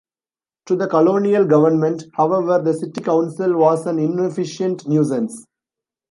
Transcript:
To the colonial government, however, the city council was an inefficient nuisance.